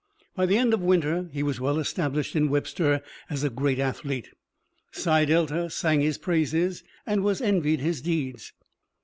By the end of winter he was well established in Webster as a great athlete. Psi Delta sang his praises and was envied his deeds.